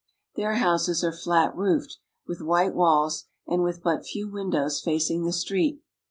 Their houses are flat roofed, with white walls <Biid with but few windows facing the street.